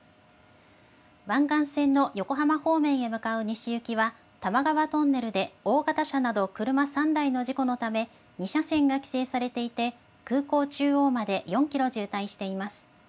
湾岸線の横浜方面へ向かう西行きは、多摩川トンネルで大型車など車３台の事故のため、２車線が規制されていて、空港中央まで４キロ渋滞しています。